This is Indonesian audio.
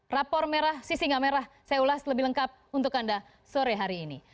rapor merah sisinga merah saya ulas lebih lengkap untuk anda sore hari ini